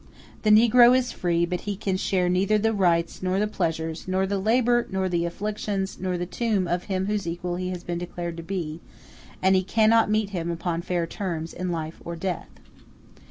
The negro is free, but he can share neither the rights, nor the pleasures, nor the labor, nor the afflictions, nor the tomb of him whose equal he has been declared to be; and he cannot meet him upon fair terms in life or in death.